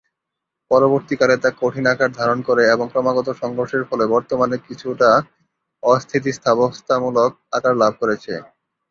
পরবর্তীকালে তা কঠিন আকার ধারণ করে এবং ক্রমাগত সংঘর্ষের ফলে বর্তমানে কিছুটা অ-স্থিতাবস্থামূলক আকার লাভ করেছে।